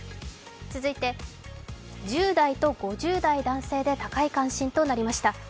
続いて、１０代と５０代男性で高い関心となりました。